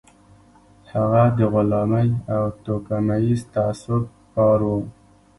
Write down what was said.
هغه د غلامۍ او توکميز تعصب ښکار و